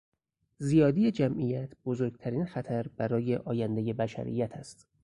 زیادی جمعیت بزرگترین خطر برای آیندهی بشریت است.